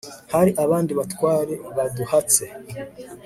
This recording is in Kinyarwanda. hari abandi batware baduhatse